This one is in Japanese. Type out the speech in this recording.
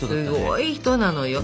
すごい人なのよ。